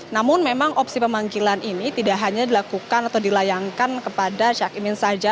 namun memang opsi pemanggilan ini tidak hanya dilakukan atau dilayangkan kepada cak imin saja